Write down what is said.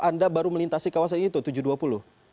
anda baru melintasi kawasan itu tujuh ratus dua puluh